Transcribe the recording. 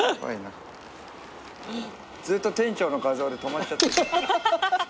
ずっと店長の画像で止まっちゃってる。